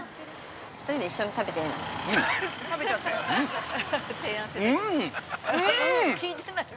◆２人で一緒に食べていいの。